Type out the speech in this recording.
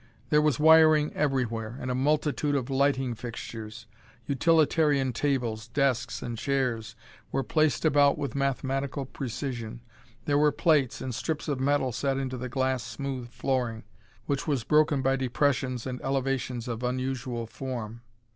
There was wiring everywhere, and a multitude of lighting fixtures. Utilitarian tables, desks and chairs were placed about with mathematical precision. There were plates and strips of metal set into the glass smooth flooring, which was broken by depressions and elevations of unusual form.